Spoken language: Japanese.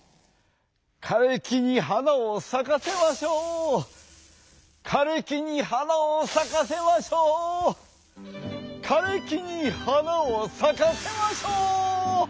「かれきにはなをさかせましょう！かれきにはなをさかせましょう！かれきにはなをさかせましょう！